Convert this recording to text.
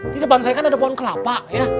di depan saya kan ada pohon kelapa ya